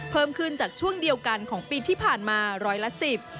เพิ่มขึ้นจากช่วงเดียวกันของปีที่ผ่านมาร้อยละสิบ